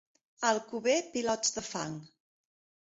A Alcover, pilots de fang.